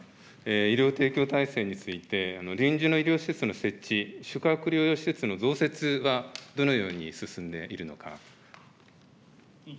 医療提供体制について、臨時の医療施設の設置、宿泊療養施設の増設は、どのように進んでいるのか。